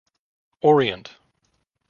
Orient.